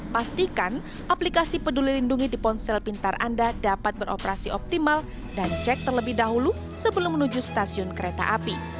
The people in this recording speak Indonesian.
pastikan aplikasi peduli lindungi di ponsel pintar anda dapat beroperasi optimal dan cek terlebih dahulu sebelum menuju stasiun kereta api